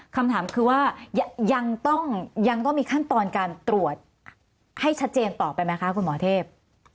คำถามคือว่ายังต้องมีขั้นตอนการตรวจให้ชัดเจนต่อไปไหมคะคุณหมอเทพ